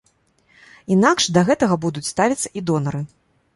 Інакш да гэтага будуць ставіцца і донары.